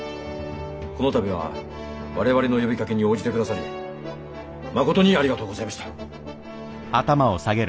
この度は我々の呼びかけに応じて下さりまことにありがとうございました。